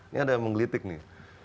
ini ada yang menggelitik nih